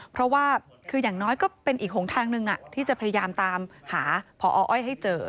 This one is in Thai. เพราะว่าคืออย่างน้อยก็เป็นอีกหนทางหนึ่งที่จะพยายามตามหาพออ้อยให้เจอ